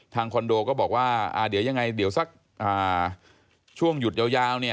คอนโดก็บอกว่าเดี๋ยวยังไงเดี๋ยวสักช่วงหยุดยาวเนี่ย